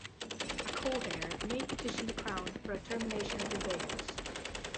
A co-heir may petition the Crown for a termination of the abeyance.